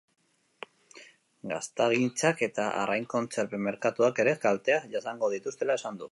Gaztagintzak eta arrain-kontserben merkatuak ere kalteak jasango dituztela esan du.